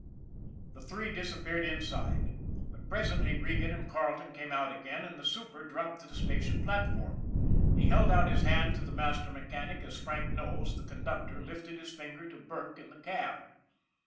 The three disappeared inside, but presently Regan and Carleton came out again, and the super dropped to the station platform. He held out his hand to the master mechanic as Frank Knowles, the conductor, lifted his finger to Burke in the cab.